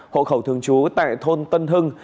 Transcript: hộ khẩu thường chú tại thôn tân hưng